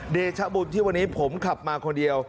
เดชบุญที่วันนี้ผมขับมาคนเดียว